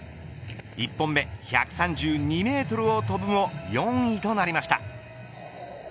１本目１３２メートルを飛ぶも４位となりました。